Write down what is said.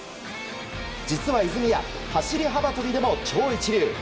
実は泉谷走り幅跳びでも超一流。